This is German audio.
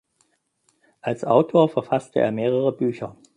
Als Autor verfasste er mehrere Bücher.